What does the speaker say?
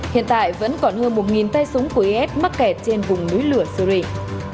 hiện tại vẫn còn hơn một tay súng của is mắc kẹt trên vùng núi lửa syri